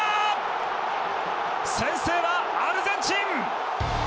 先制はアルゼンチン！